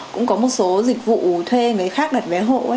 cũng có một số dịch vụ thuê người khác đặt vé hộ